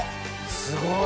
すごい！